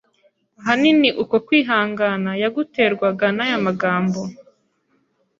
ahanini uko kwihangana yaguterwaga na ya magambo